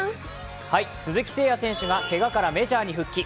鈴木誠也選手が、けがからメジャーに復帰。